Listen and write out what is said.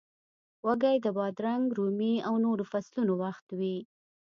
وږی د بادرنګ، رومي او نورو فصلونو وخت وي.